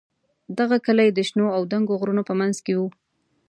دغه کلی د شنو او دنګو غرونو په منځ کې و.